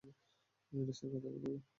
রেসের কথা কে বললো।